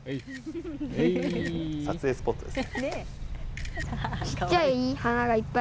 撮影スポットです。